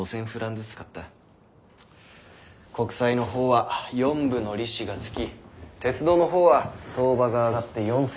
国債の方は４分の利子がつき鉄道の方は相場が上がって４，０００フラン。